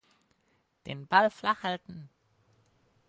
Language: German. Den Ball flach halten.